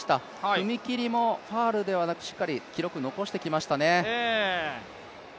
踏切もファウルではなく、しっかり記録を残してきましたね。